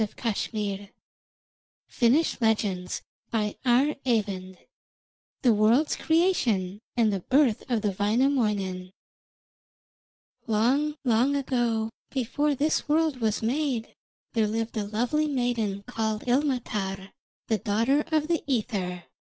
THE WORLD'S CREATION AND THE BIRTH OF WAINAMOINEN Long, long ago, before this world was made, there lived a lovely maiden called Ilmatar, the daughter of the Ether.